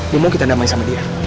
gue mau kita damai sama dia